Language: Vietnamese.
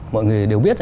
mọi người đều biết